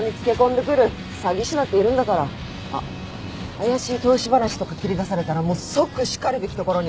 怪しい投資話とか切り出されたら即しかるべきところに。